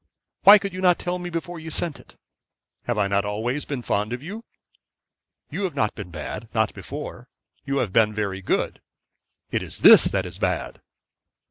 Why could you not tell me before you sent it? Have I not always been good to you?' 'You have not been bad; not before. You have been very good. It is this that is bad.'